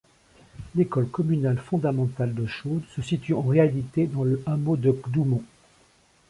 L'école communale fondamentale de Chôdes se situe en réalité dans le hameau de G'doumont.